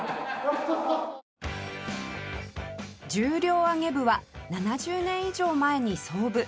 重量挙げ部は７０年以上前に創部